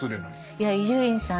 いや伊集院さん